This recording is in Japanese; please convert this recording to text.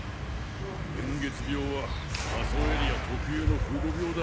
煙月病は下層エリア特有の風土病だ